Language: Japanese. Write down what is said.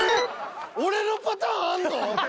俺のパターンあんの？